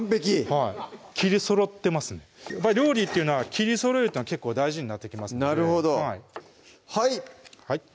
はい切りそろってますね料理っていうのは切りそろえるというのは結構大事になってきますのでなるほどはい！